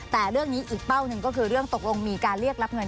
แต่เรื่องนี้อีกเป้าหนึ่งก็คือเรื่องตกลงมีการเรียกรับเงิน